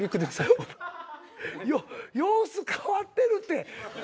様子変わってるって。